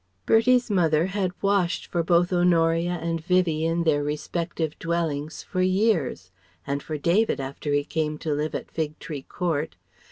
Bertie's mother had "washed" for both Honoria and Vivie in their respective dwellings for years, and for David after he came to live at Fig Tree Court.